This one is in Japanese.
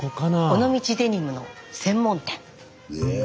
尾道デニムの専門店。